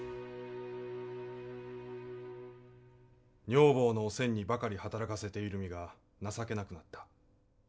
女房のおせんにばかり働かせている身が情けなくなった。